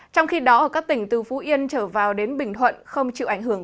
trong khi đó ở các tỉnh từ phú yên trở vào đến bình thuận không chịu ảnh hưởng